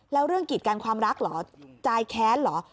แล้วเรื่องกิจการความรักเหรอใจแค้นเหรอ